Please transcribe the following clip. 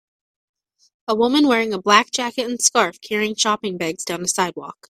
A woman wearing a black jacket and scarf carrying shopping bags down a sidewalk.